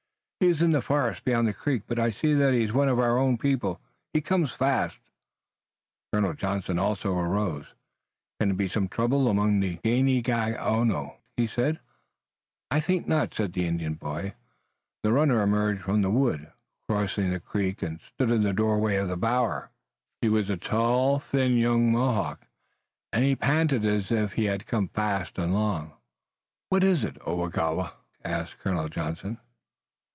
"He is in the forest beyond the creek, but I see that he is one of our own people. He comes fast." Colonel Johnson also arose. "Can it be some trouble among the Ganeagaono?" he said. "I think not," said the Indian boy. The runner emerged from the wood, crossed the creek and stood in the doorway of the bower. He was a tall, thin young Mohawk, and he panted as if he had come fast and long. "What is it, Oagowa?" asked Colonel Johnson.